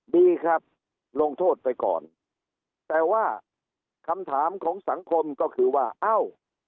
ดีครับลงโทษไปก่อนแต่ว่าคำถามของสังคมก็คือว่าเอ้า